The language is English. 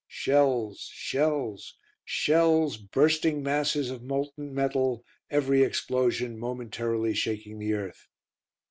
Shells shells shells bursting masses of molten metal, every explosion momentarily shaking the earth.